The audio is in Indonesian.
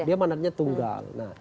dia mandatnya tunggal